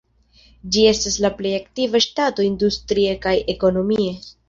Ĝi estas la plej aktiva ŝtato industrie kaj ekonomie.